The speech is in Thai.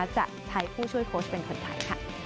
จะใช้ผู้ช่วยโค้ชเป็นคนไทย